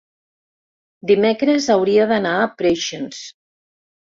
dimecres hauria d'anar a Preixens.